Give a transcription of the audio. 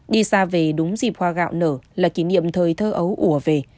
đi xa về đúng dịp hoa gạo nở là kỷ niệm thời thơ ấu ủa về